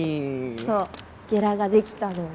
そうゲラができたの。